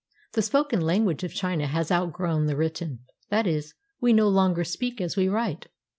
The spoken lan guage of China has outgrown the written; that is, we no longer speak as we write.